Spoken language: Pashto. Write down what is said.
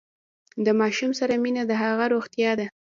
د ماشوم سره مینه د هغه روغتیا ده۔